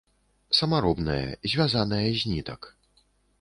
Самаробная, звязаная з нітак.